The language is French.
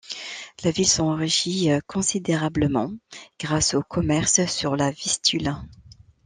La ville s’enrichit considérablement grâce au commerce sur la Vistule.